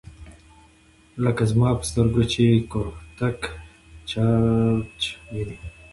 لکه زما په سترګو کې چي “ګوتهک چرچ” ویني